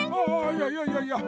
いやいやいやいや。